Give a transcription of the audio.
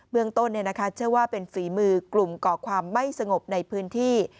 เมืองต้นเชื่อว่าเป็นฝีมือกลุ่มก่อความไม่สงบในพื้นที่